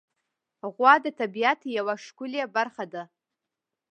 غوا د طبیعت یوه ښکلی برخه ده.